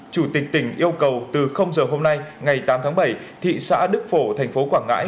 chủ tịch tỉnh yêu cầu từ giờ hôm nay ngày tám tháng bảy thị xã đức phổ thành phố quảng ngãi